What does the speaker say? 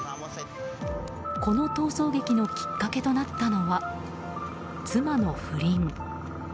この逃走劇のきっかけとなったのは妻の不倫。